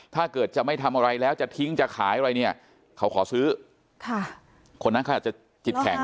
ถ้าเกิดจะไม่ทำอะไรแล้วจะทิ้งจะขายอะไรเนี่ยเขาขอซื้อคนนั้นเขาอาจจะจิตแข็ง